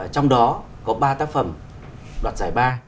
trong đó có ba tác phẩm đoạt giải ba